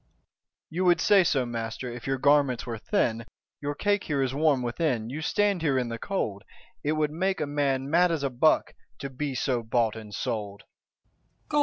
Dro. E. You would say so, master, if your garments were thin. 70 Your cake here is warm within; you stand here in the cold: It would make a man mad as a buck, to be so bought and sold.